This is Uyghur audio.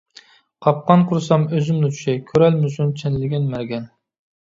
قاپقان قۇرسام ئۆزۈملا چۈشەي، كۆرەلمىسۇن چەنلىگەن مەرگەن.